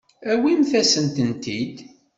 Awimt-asent-tent-id.